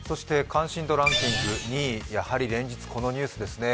関心度ランキング２位、やはり連日、このニュースですね。